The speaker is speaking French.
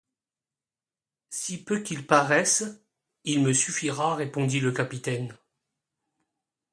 Si peu qu’il paraisse, il me suffira, répondit le capitaine.